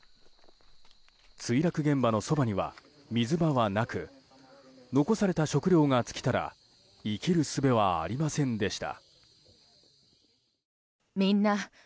墜落現場のそばには、水場はなく残された食料が尽きたら生きるすべはありませんでした。